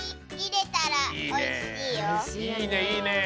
いいねいいね！